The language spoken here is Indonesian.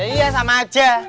iya sama aja